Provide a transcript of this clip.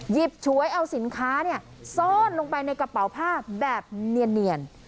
หยิบฉวยเอาสินค้าซ่อนลงไปในกระเป๋าผ้าแบบเนียน